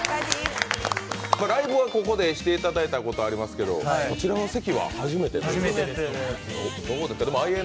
ライブはここでしていただいたことはありますけどこちらの席は初めて。